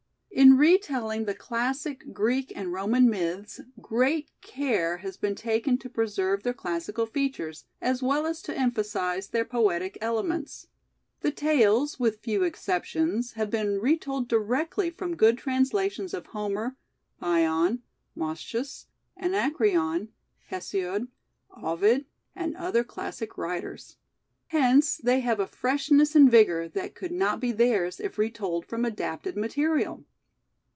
In retelling the classic Greek and Roman myths, great care has been taken to preserve their clas sical features, as well as to emphasize their poetic elements. The tales, with few exceptions, have been retold directly from good translations of Homer, Bion, Moschus, Anacreon, Hesiod, Ovid, and other classic writers. Hence they have a freshness and vigour that could not be theirs if retold from adapted material.